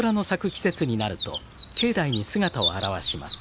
季節になると境内に姿を現します。